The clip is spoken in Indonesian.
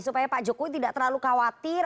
supaya pak jokowi tidak terlalu khawatir